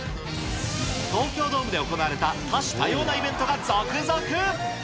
東京ドームで行われた多種多様なイベントが続々。